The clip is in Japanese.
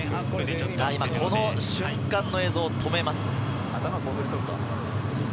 この瞬間の映像を止めます。